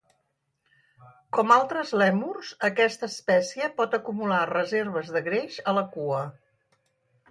Com altres lèmurs, aquesta espècie pot acumular reserves de greix a la cua.